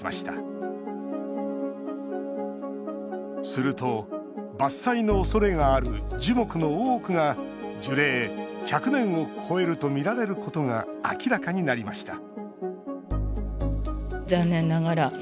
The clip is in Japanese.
すると伐採のおそれがある樹木の多くが樹齢１００年を超えるとみられることが明らかになりました